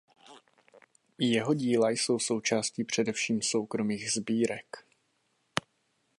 Jeho díla jsou součástí především soukromých sbírek.